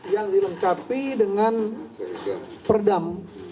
yang dilengkapi dengan perdam